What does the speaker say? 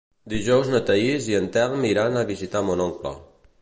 Dijous na Thaís i en Telm iran a visitar mon oncle.